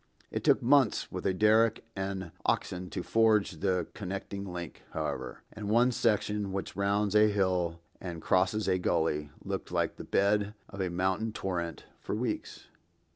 It took months with a derrick and oxen to forge the connecting link, however; and one section, which rounds a hill and crosses a gully, looked like the bed of a mountain torrent for weeks.